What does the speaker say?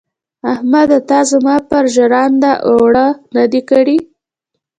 احمده تا زما پر ژرنده اوړه نه دې کړي.